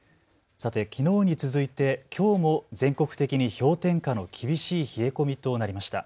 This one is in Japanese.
さて、きのうに続いてきょうも全国的に氷点下の厳しい冷え込みとなりました。